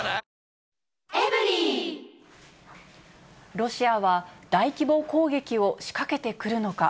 ロシアは、大規模攻撃を仕掛けてくるのか。